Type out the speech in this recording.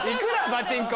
パチンコ！